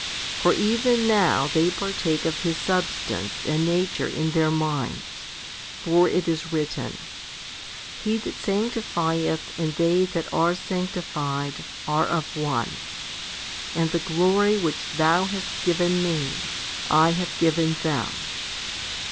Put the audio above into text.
For even now they partake of His substance and nature in their minds ; for it is written, He that sanctifieth and they that are sanctified are of one, 1 and, The glory which Thou hast given Me, I have given them.